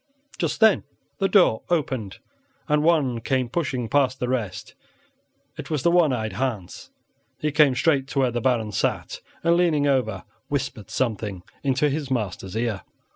Just then the door opened and one came pushing past the rest; it was the one eyed Hans. He came straight to where the Baron sat, and, leaning over, whispered something into his master's ear.